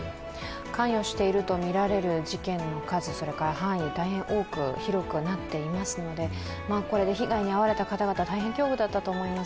関与しているとみられる事件の数、範囲、大変多く、広くなっていますので、これで被害に遭われた方々、大変恐怖だったと思います。